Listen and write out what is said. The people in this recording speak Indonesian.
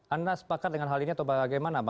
anda sepakat dengan hal ini atau bagaimana